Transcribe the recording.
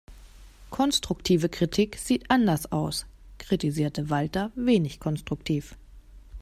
Konstruktive Kritik sieht anders aus, kritisierte Walter wenig konstruktiv.